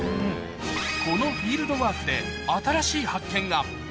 このフィールドワークで、新しい発見が。